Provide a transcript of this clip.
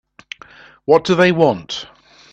What do they want?